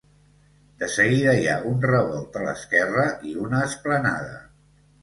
De seguida hi ha un revolt a l'esquerra i una esplanada.